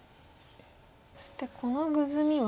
そしてこのグズミは？